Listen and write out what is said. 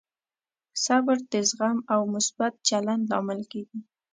صبر د زغم او مثبت چلند لامل کېږي.